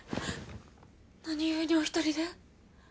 何故にお１人で？